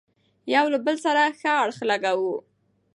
يو له بل سره ښه اړخ لګوو،